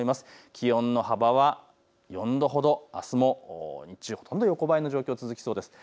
気温の幅は４度ほど、あすも日中ほとんど横ばいの状況が続きそうです。